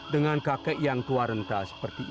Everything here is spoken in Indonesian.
dengan kakek yang tua rendah seperti ini